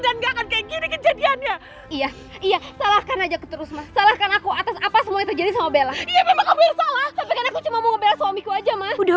dan gak akan kayak gini kejadiannya iya iya